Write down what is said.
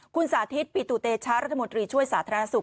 คุณสาธิตปิตุเตชะรัฐมนตรีช่วยสาธารณสุข